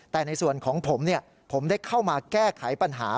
แต่ในส่วนของผมผมได้เข้ามาแก้ไขปัญหา